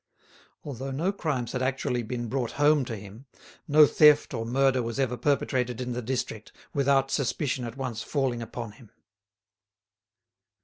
Although no crimes had actually been brought home to him, no theft or murder was ever perpetrated in the district without suspicion at once falling upon him.